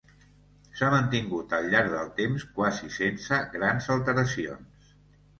S'ha mantingut al llarg del temps quasi sense grans alteracions.